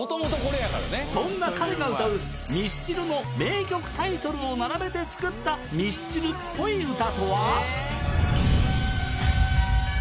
そんな彼が歌うミスチルの名曲タイトルを並べて作ったぽいな。